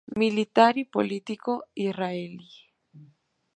Militar y político israelí.